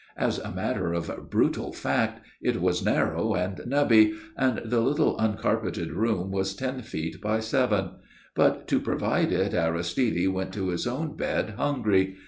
As a matter of brutal fact, it was narrow and nubbly, and the little uncarpeted room was ten feet by seven; but to provide it Aristide went to his own bed hungry.